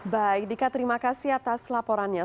baik dika terima kasih atas laporannya